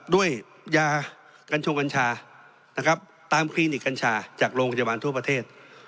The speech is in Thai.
ด้วยยากัญชงกัญชานะครับตามคลินิกกัญชาจากโรงพยาบาลทั่วประเทศ